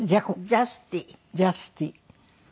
ジャスティー。